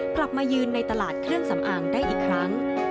กลับมายืนในตลาดเครื่องสำอางได้อีกครั้ง